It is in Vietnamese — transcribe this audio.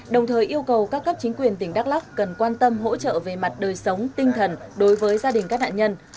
đồng thời yêu cầu các cấp chính quyền tỉnh đắk lắc cần quan tâm hỗ trợ về mặt đời sống tinh thần đối với gia đình các nạn nhân